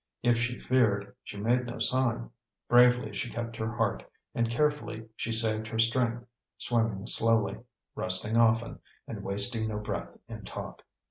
If she feared, she made no sign. Bravely she kept her heart, and carefully she saved her strength, swimming slowly, resting often, and wasting no breath in talk.